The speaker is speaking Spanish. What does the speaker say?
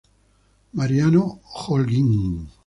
Mariano Holguín.